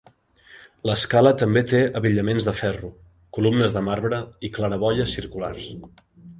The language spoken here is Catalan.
L'escala també té abillaments de ferro, columnes de marbre i claraboies circulars.